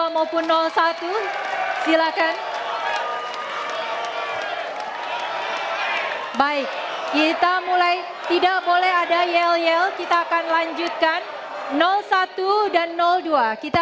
maupun satu silakan baik kita mulai tidak boleh ada yel yel kita akan lanjutkan satu dan dua kita